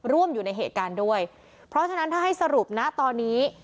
อยู่ในเหตุการณ์ด้วยเพราะฉะนั้นถ้าให้สรุปนะตอนนี้